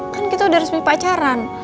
kan kita udah resmi pacaran